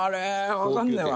わかんねえわ。